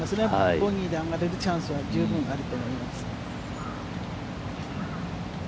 ボギーで上がれるチャンスは十分あると思います。